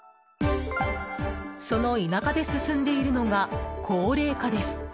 その田舎で進んでいるのが高齢化です。